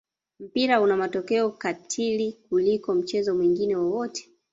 mpira una matokeo katili kuliko mchezo mwingine wowote